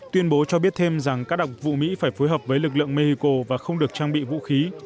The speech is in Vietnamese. tuyên bố cho biết thêm rằng các đặc vụ mỹ phải phối hợp với lực lượng mexico và không được trang bị vũ khí